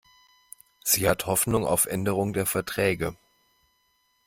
Sie hat Hoffnung auf Änderung der Verträge.